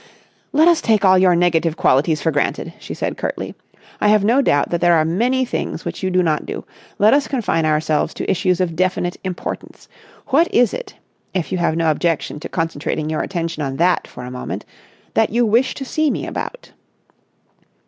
"Let us take all your negative qualities for granted," she said curtly. "I have no doubt that there are many things which you do not do. Let us confine ourselves to issues of definite importance. What is it, if you have no objection to concentrating your attention on that for a moment, that you wish to see me about?"